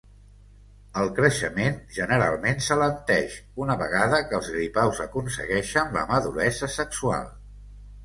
El creixement generalment s'alenteix una vegada que els gripaus aconsegueixen la maduresa sexual.